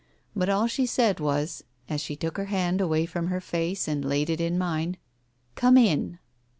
But all she said was, as she took her hand away from her face and laid it in mine — "Come in."